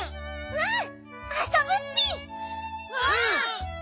うん！